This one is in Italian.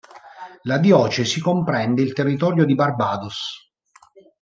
La diocesi comprende il territorio di Barbados.